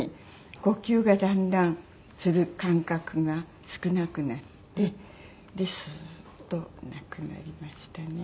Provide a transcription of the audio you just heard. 呼吸がだんだんする間隔が少なくなってでスーッと亡くなりましたね。